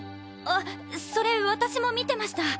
あっそれ私も見てました。